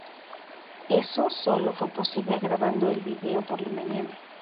Eso solo fue posible grabando el vídeo por la mañana.